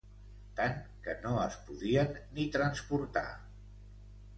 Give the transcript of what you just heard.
Tant, que no es podien ni transportar.